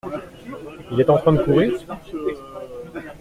Il est en train de courir ?